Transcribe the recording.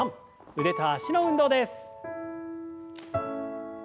腕と脚の運動です。